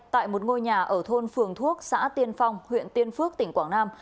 tại một ngôi nhà ở thôn phường thuốc xã tiên phong huyện tiên phước tỉnh quảng nam